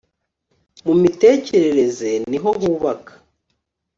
mu mitekerereze niho hubaka